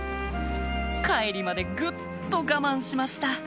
帰りまでぐっと我慢しました